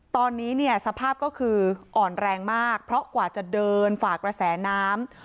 ตอนนี้เนี่ยสภาพก็คืออ่อนแรงมากเพราะกว่าจะเดินฝากระแสน้ำ